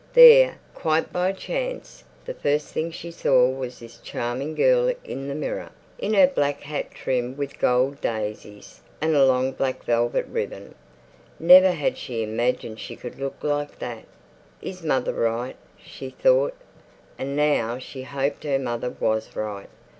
There, quite by chance, the first thing she saw was this charming girl in the mirror, in her black hat trimmed with gold daisies, and a long black velvet ribbon. Never had she imagined she could look like that. Is mother right? she thought. And now she hoped her mother was right.